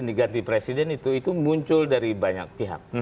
diganti presiden itu muncul dari banyak pihak